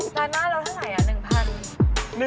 ซานหน้าเราเท่าไหร่๑๐๐บาท